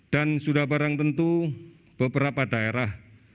dan sudah barang tentu beberapa daerah